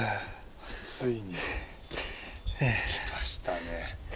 ついに。来ましたね。